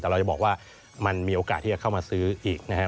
แต่เราจะบอกว่ามันมีโอกาสที่จะเข้ามาซื้ออีกนะครับ